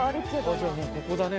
じゃあここだねもう。